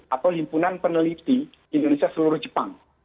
atau himpunan peneliti indonesia seluruh jepang